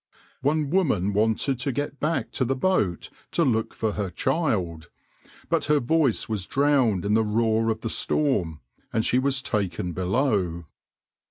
One woman wanted to get back to the boat to look for her child, but her voice was drowned in the roar of the storm, and she was taken below.